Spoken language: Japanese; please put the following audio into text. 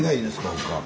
他。